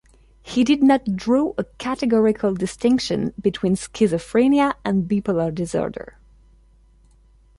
He did not draw a categorical distinction between schizophrenia and bipolar disorder.